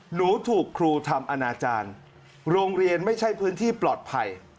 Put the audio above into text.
หนูถูกครูทำอนาจารย์โรงเรียนไม่ใช่พื้นที่ปลอดภัย